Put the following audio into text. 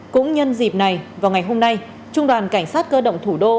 cũng nhân dịp này vào ngày hôm nay trung đoàn cảnh sát cơ động thủ đô